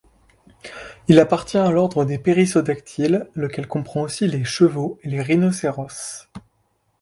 Il appartient à l'ordre des périssodactyles, lequel comprend aussi les chevaux et les rhinocéros.